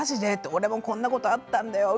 俺もこんなことがあったんだよ